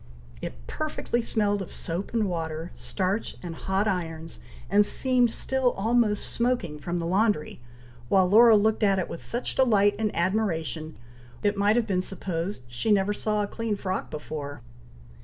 It perfectly smelled of soap and water, starch and hot irons, and seemed still almost smoking from the laundry; while Laura looked at it with such delight and admiration, it might have been supposed she never saw a clean frock before.